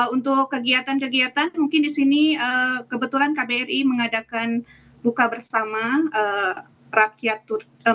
untuk kegiatan kegiatan mungkin di sini kebetulan kbri mengadakan buka bersama rakyat